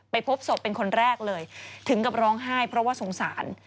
พบศพเป็นคนแรกเลยถึงกับร้องไห้เพราะว่าสงสาร